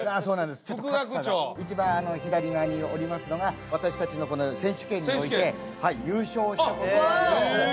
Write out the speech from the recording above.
一番左側におりますのが私たちのこの選手権において優勝したことがあります